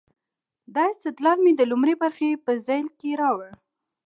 دا استدلال مې د لومړۍ برخې په ذیل کې راوړ.